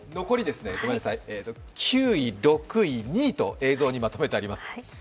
残りですね、９位、６位、２位と映像にまとめてあります。